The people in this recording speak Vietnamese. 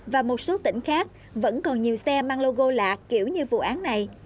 và một số tỉnh khác vẫn còn nhiều xe mang logo lạ kiểu như vụ án này